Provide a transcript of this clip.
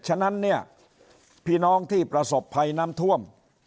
ฉะนั้นเนี่ยพี่น้องที่ประสบภัยน้ำท่วม